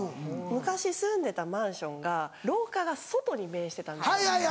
昔住んでたマンションが廊下が外に面してたんですよ。